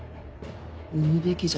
産むべきじゃ。